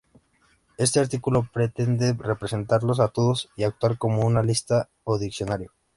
Este artículo pretende representarlos a todos y actuar como una lista o "diccionario".